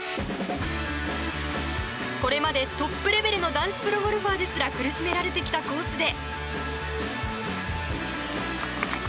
これまでトップレベルの男子プロゴルファーですら苦しめられてきたコースで。